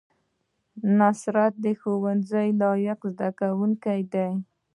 نصرت د ښوونځي لایق زده کوونکی دی